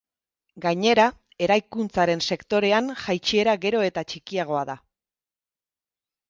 Gainera, eraikuntzaren sektorearen jaitsiera gero eta txikiagoa da.